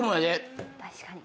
確かに。